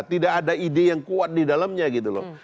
tidak ada ide yang kuat di dalamnya gitu loh